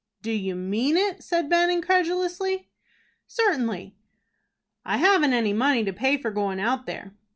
"Do you mean it?" said Ben, incredulously. "Certainly." "I haven't any money to pay for goin' out there."